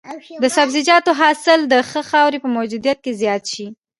د سبزیجاتو حاصل د ښه خاورې په موجودیت کې زیات شي.